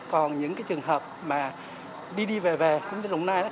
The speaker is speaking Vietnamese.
còn những trường hợp mà đi đi về về cũng như đồng nai